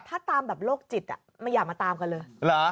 ถ้าตามแบบโรคจิตไม่อยากมาตามกันเลย